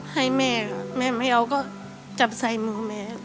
ให้แม่ค่ะแม่แม่ไม่เอาก็จับใส่มือแม่